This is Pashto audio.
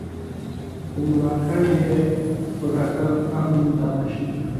په ملاکنډ یې په ډاکټر امن دمه شي.